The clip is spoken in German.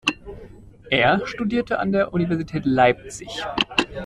Er studierte an der Universität Leipzig.